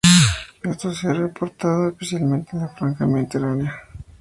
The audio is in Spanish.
Esto se ha reportado especialmente en la franja mediterránea.